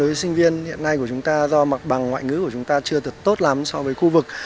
với sinh viên hiện nay của chúng ta do mặc bằng ngoại ngữ của chúng ta chưa tốt lắm so với khu vực